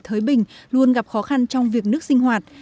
thới bình luôn gặp khó khăn trong việc nước sinh hoạt